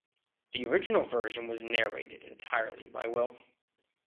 The original version was narrated entirely by Will.